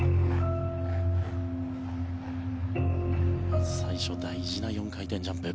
まず最初大事な４回転ジャンプ。